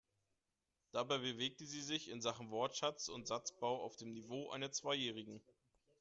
Dabei bewegte sie sich in Sachen Wortschatz und Satzbau auf dem Niveau einer Zweijährigen.